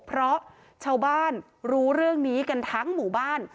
เพราะชาวบ้านรู้เรื่องนี้กันทั้งหมู่บ้าน